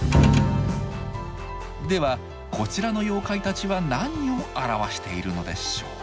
ではこちらの妖怪たちは何を表しているのでしょう。